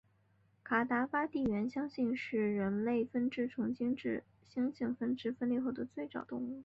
卡达巴地猿相信是人类分支从现今黑猩猩分支分裂后的最早动物。